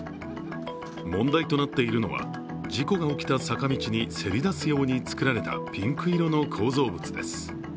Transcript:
問題となっているのは事故が起きた坂道にせり出すように造られたピンク色の構造物です。